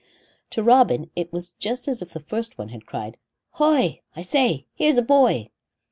To Robin it was just as if the first one had cried "Hoi! I say, here's a boy."